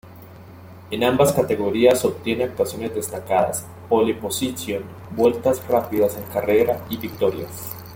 En ambas categorías obtiene actuaciones destacadas, pole-positions, vueltas rápidas en carrera, y victorias.